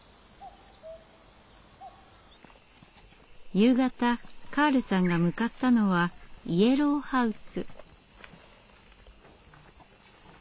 夕方カールさんが向かったのはイエローハウス。